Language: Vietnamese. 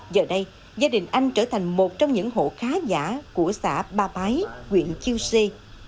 giờ đây gia đình anh trở thành một trong những hộ khá giả của xã ba bái quyện chiêu xê